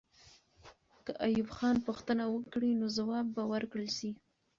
که ایوب خان پوښتنه وکړي، نو ځواب به ورکړل سي.